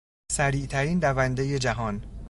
سریعترین دوندهی جهان